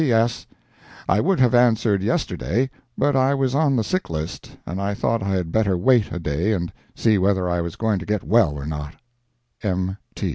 P.S.—I would have answered yesterday, but I was on the sick list, and I thought I had better wait a day and see whether I was going to get well or not. M.